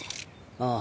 ああ。